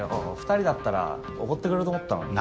２人だったら奢ってくれると思ったのに。